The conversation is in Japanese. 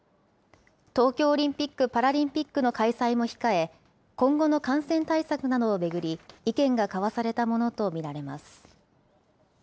東京オリンピック・パラリンピックの開催も控え、今後の感染対策などを巡り、意見が交わされたものと見られます。